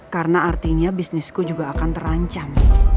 karena artinya bisnisku juga akan terancam